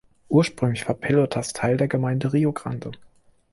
Ursprünglich war Pelotas Teil der Gemeinde Rio Grande.